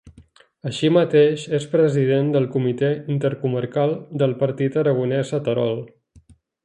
Així mateix és President del Comitè Intercomarcal del Partit Aragonès a Terol.